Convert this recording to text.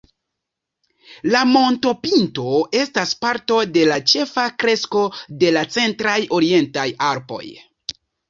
La montopinto estas parto de la ĉefa kresto de la centraj orientaj Alpoj.